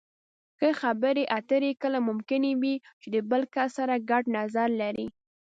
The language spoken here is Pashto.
ښه خبرې اترې کله ممکنې وي چې د بل کس سره ګډ نظر لرئ.